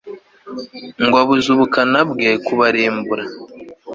ngo abuze ubukana bwe kubarimbura